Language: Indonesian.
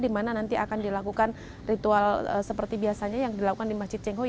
dimana nanti akan dilakukan ritual seperti biasanya yang dilakukan di masjid cengho ini